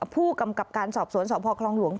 ผู้กำกับการสอบสวนสพคลองหลวง